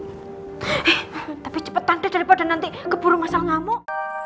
eh tapi cepetan deh daripada nanti keburu mas al ngamuk